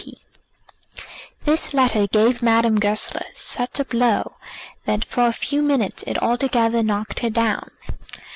G. P." This letter gave Madame Goesler such a blow that for a few minutes it altogether knocked her down.